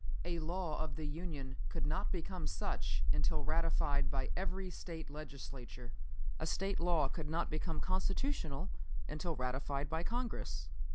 A law of the Union could not become such until ratified by every State Legislature. A State law could not become constitutional until ratified by Congress.